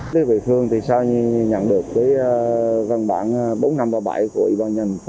tới vệ phương thì sao nhận được cái văn bản bốn nghìn năm trăm ba mươi bảy của ủy ban nhân